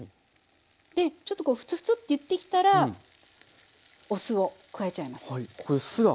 でちょっとこうフツフツっていってきたらお酢を加えちゃいます。